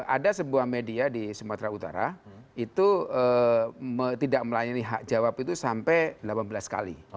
ada sebuah media di sumatera utara itu tidak melayani hak jawab itu sampai delapan belas kali